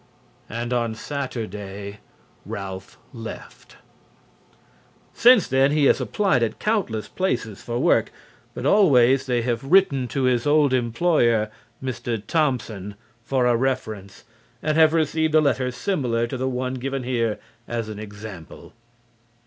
And on Saturday Ralph left. Since then he has applied at countless places for work, but always they have written to his old employer, Mr. Thompson, for a reference, and have received a letter similar to the one given here as an example.